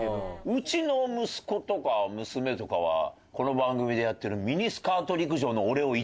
うちの息子とか娘とかはこの番組でやってる。